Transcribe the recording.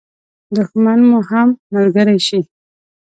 دښمن به مو هم ملګری شي.